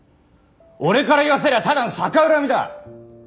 俺から言わせりゃただの逆恨みだ！